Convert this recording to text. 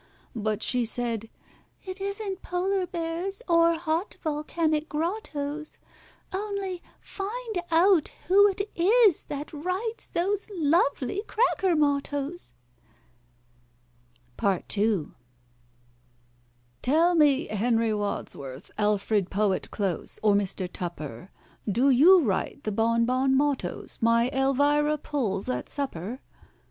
But she said, "It isn't polar bears, or hot volcanic grottoes: Only find out who it is that writes those lovely cracker mottoes!" PART II. "Tell me, HENRY WADSWORTH, ALFRED POET CLOSE, or MISTER TUPPER, Do you write the bon bon mottoes my ELVIRA pulls at supper?"